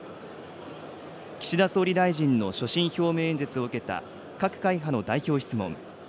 岸田総理大臣の所信表明演説を受けた各会派の代表質問。